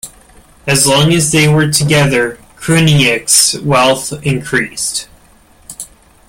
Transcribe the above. As long as they were together Cruinniuc's wealth increased.